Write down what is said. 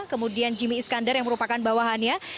kemudian jimmy iskandar yang merupakan bawahannya